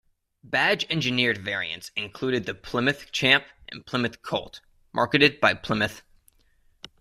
Badge engineered variants included the Plymouth Champ and Plymouth Colt, marketed by Plymouth.